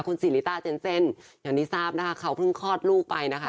คุณสิริต้าเจนเซ่นอย่างที่ทราบนะคะเขาเพิ่งคลอดลูกไปนะคะ